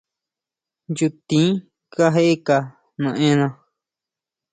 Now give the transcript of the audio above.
Nchutin kajeka naena.